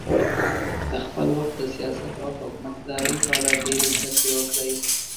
د خپل وخت د سیاست او حکومتدارۍ په اړه ډېرې زده کړې وکړې.